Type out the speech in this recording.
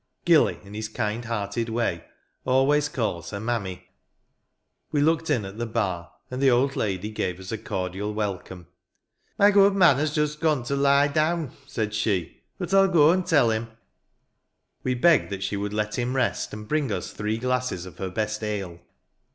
" Gilly," in his kind hearted way, always calls her " Mammy." We looked in at the bar, and the old lady gave us a cordial welcome. " My good man has just gone to jie down," said she ; "but I'll go and tell him." We begged that she would let him rest, and bring us three glasses of her best ale.